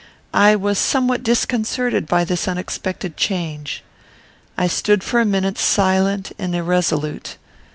I was somewhat disconcerted by this unexpected change. I stood for a minute silent and irresolute.